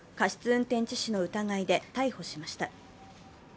運転致死の疑いで逮捕しました。